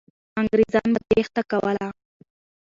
انګریزان به تېښته کوله.